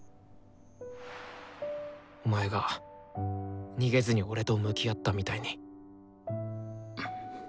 お前が逃げずに俺と向き合ったみたいに。